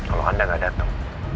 kalau anda gak datang